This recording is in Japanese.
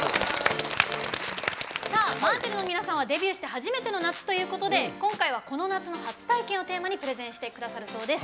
ＭＡＺＺＥＬの皆さんはデビューして初めての夏ということで今回は「この夏の初体験」をテーマにプレゼンしてくださるそうです。